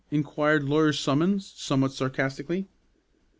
inquired Lawyer Summons, somewhat sarcastically.